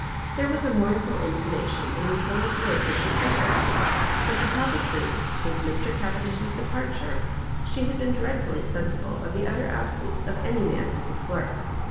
*' There was a mournful intonation in Lucilla's voice as she said this ; for, to tell the truth, since Mr. Cavendish's departure she had been dreadfully sensible of the utter absence of any man who could flirt.